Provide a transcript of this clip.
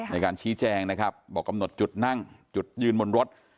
ในการชี้แจงนะครับบอกกำหนดจุดนั่งจุดยืนบนรถ